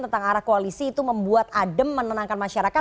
tentang arah koalisi itu membuat adem menenangkan masyarakat